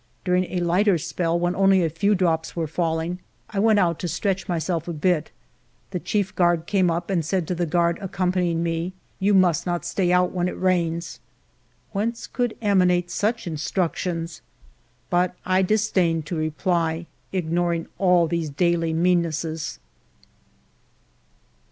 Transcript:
During a lighter spell, when only a few drops were falling, I went out to stretch myself a bit. The chief guard came up and said to the guard accompanying me, " You must not stay out when it rains." Whence could emanate such i86 FIVE YEARS OF MY LIFE instructions ? But I disdain to reply, ignoring all these daily meannesses.